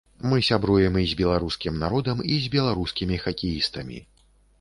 Мы сябруем і з беларускім народам, і з беларускімі хакеістамі.